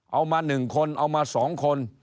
เอามาหนึ่งคนเอามาสองคน